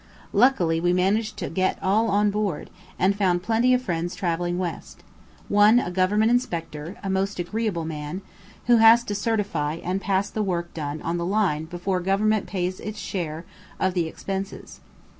Luckily we managed to get all on board, and found plenty of friends travelling west; one a Government inspector, a most agreeable man, who has to certify and pass the work done on the line before Government pays its share of the expenses.